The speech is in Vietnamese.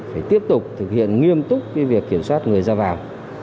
phải tiếp tục thực hiện nghiêm túc việc kiểm soát người ra vào